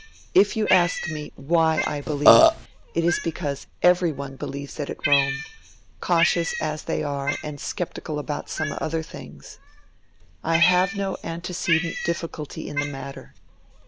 If you ask me why I believe it, it is because everyone believes it at Rome; cautious as they are and sceptical about some other things. I have no antecedent difficulty in the matter.